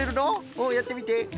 おっやってみて。